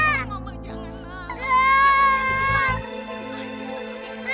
sayang mama janganlah